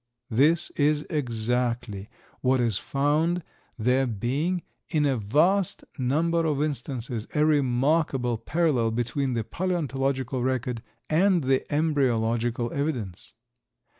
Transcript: This is exactly what is found, there being, in a vast number of instances, a remarkable parallel between the palaeontological record and the embryological evidence.